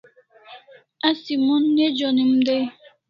Asi mon ne jonim dai